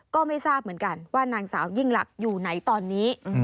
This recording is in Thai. ก็ไม่ทราบเหมือนกันว่านางสาวยิ่งลักษณ์อยู่ไหนตอนนี้